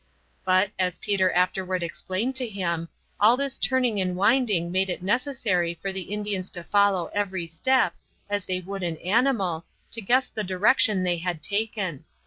But, as Peter, afterward explained to him, all this turning and winding made it necessary for the Indians to follow every step, as they would an animal, to guess the direction they had taken.